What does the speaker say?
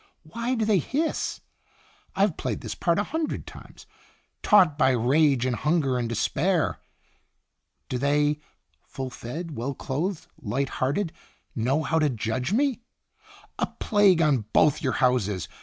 Why do they hiss? I 've played this part a hundred times. ' Taught by Rage, and Hun ger, and Despair?' Do they, full fed, well clothed, light hearted, know how to judge me? 'A plague on both your houses!'